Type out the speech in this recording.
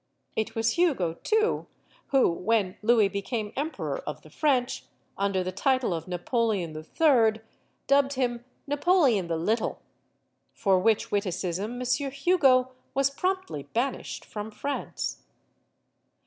It was Hugo, too, who, when Louis became emperor of the French, under the title of Napoleon HI., dubbed him "Napoleon the Little." For which witticism, Monsieur Hugo was promptly banished from France.